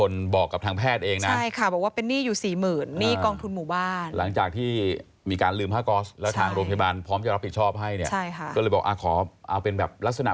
เมื่อเงิน๔๐๐๐๐บาทเนี่ยคือคุณหมอบอกว่า